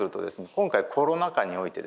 今回コロナ禍においてですね